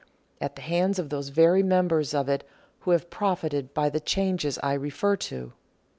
at the hands of those very members of it who have profited by the changes I refer to.